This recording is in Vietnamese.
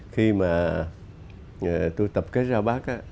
khi mà tôi tập kết ra bắc